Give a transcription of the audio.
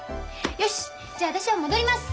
よしじゃ私は戻ります！